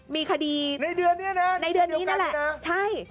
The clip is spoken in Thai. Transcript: มีคดีในเดือนนี้นั่นแหละใช่ในเดือนนี้นั่นแหละ